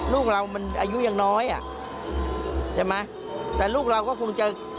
ลูกเรามันอายุยังน้อยอ่ะใช่ไหมแต่ลูกเราก็คงจะ